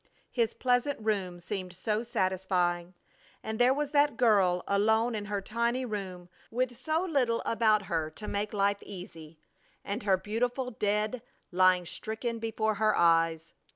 His pleasant room seemed so satisfying! And there was that girl alone in her tiny room with so little about her to make life easy, and her beautiful dead lying stricken before her eyes!